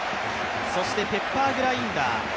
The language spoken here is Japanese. そしてペッパー・グラインダー。